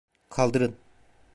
Kaldırın.